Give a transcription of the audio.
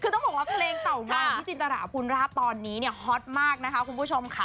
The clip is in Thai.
คือต้องบอกว่าเพลงเต่างอยพี่จินตราภูณราชตอนนี้เนี่ยฮอตมากนะคะคุณผู้ชมค่ะ